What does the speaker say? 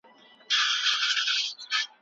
دوی د خپلي خاورې لپاره سرونه ورکړل.